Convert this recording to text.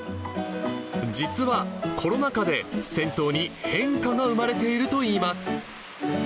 実は、コロナ禍で銭湯に変化が生まれているといいます。